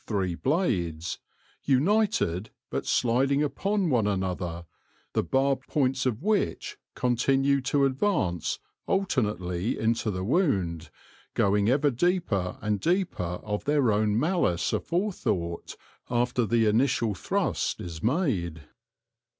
three blades — united, but sliding upon one another — the barbed points of which continue to advance alternately into the wound, going ever deeper and deeper of their own malice aforethought after the initial thrust is made.